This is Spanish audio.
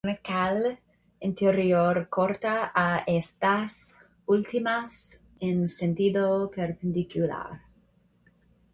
Una calle interior corta a estas últimas en sentido perpendicular.